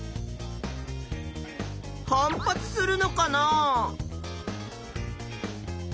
反発するのかなあ？